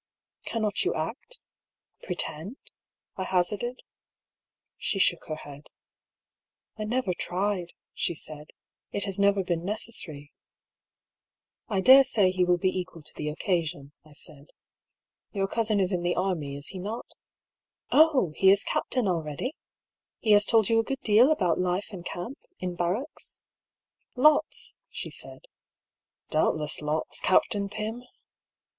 " Cannot you act — pretend ?" I hazarded. She shook her head. " I never tried," she said ;" it has never been ne cessary." " I daresay he will be equal to the occasion," I said. " Your cousin is in the army, is he not? Oh I he is EXTRACT PROM DIARY OP HUGH PAtTLL. 39 captain already? He has told you a good deal about life in camp, in barracks ?"" Lots," she said. (Doubtless lots, Captain Pym